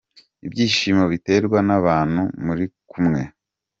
Ibyishimo biterwa n'abantu muri kumwe.